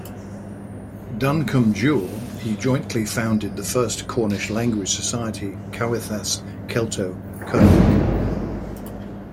Duncombe-Jewell he jointly founded the first Cornish language society, "Cowethas Kelto-Kernuak".